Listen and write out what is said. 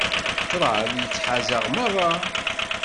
Ṭṭraḍ yettḥaz-aɣ merra.